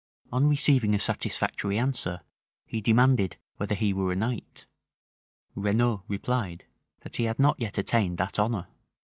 On receiving a satisfactory answer, he demanded whether he were a knight. Renaud replied, that he had not yet attained that honor.